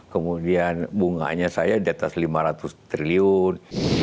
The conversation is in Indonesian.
kemudian bunganya saya diatas lima ratus triliun